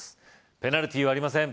ペナルティーはありません